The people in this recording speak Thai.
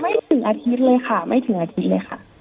ไม่ถึงอาทิตย์เลยค่ะไม่ถึงอาทิตย์เลยค่ะ